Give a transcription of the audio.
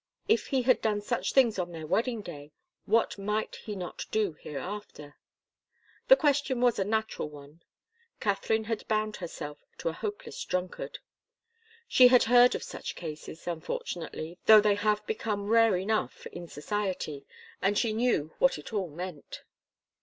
If he had done such things on their wedding day, what might he not do hereafter? The question was a natural one. Katharine had bound herself to a hopeless drunkard. She had heard of such cases, unfortunately, though they have become rare enough in society, and she knew what it all meant.